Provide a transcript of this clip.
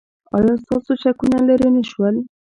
ایا ستاسو شکونه لرې نه شول؟